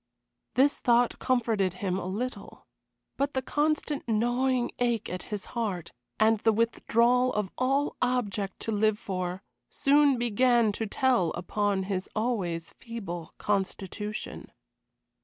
This thought comforted him a little. But the constant gnawing ache at his heart, and the withdrawal of all object to live for, soon began to tell upon his always feeble constitution.